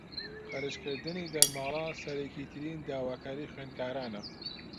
خەرجکردنی دەرماڵە سەرەکیترین داواکاریی خوێندکارانە